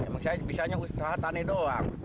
misalnya usaha tani doang